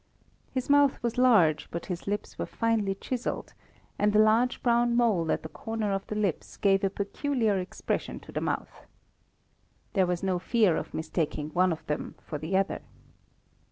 His mouth was large, but his lips were finely chiselled, and a large brown mole at the corner of the lips gave a peculiar expression to the mouth. There was no fear of mistaking one of them for the other.